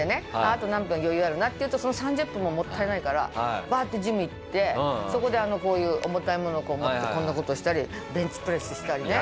あと何分余裕あるなっていうとその３０分ももったいないからバッてジム行ってそこでこういう重たいもの持ってこんな事したりベンチプレスしたりね。